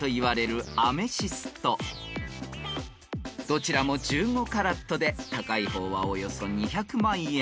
［どちらも１５カラットで高い方はおよそ２００万円］